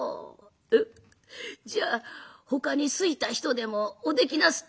「えっじゃあほかに好いた人でもおできなすっただかね」。